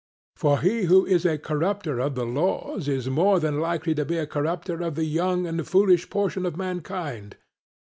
For he who is a corrupter of the laws is more than likely to be a corrupter of the young and foolish portion of mankind.